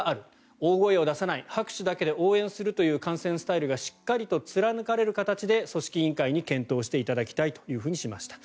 大声を出さない拍手だけで応援するという観戦スタイルがしっかりと貫かれる形で組織委員会に検討していただきたいとしました。